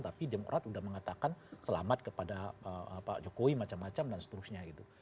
tapi demokrat sudah mengatakan selamat kepada pak jokowi macam macam dan seterusnya gitu